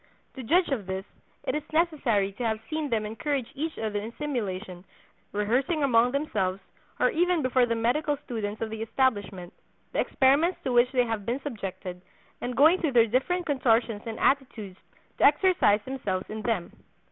To judge of this, it is necessary to have seen them encourage each other in simulation, rehearsing among themselves, or even before the medical students of the establishment, the experiments to which they have been subjected; and going through their different contortions and attitudes to exercise themselves in them.